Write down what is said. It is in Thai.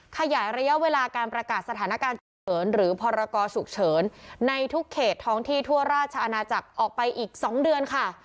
ขยายระยะเวลาการประกาศสถานการณ์ฉุกเฉินหรือพรกรฉุกเฉินในทุกเขตท้องที่ทั่วราชอาณาจักรออกไปอีก๒เดือนค่ะ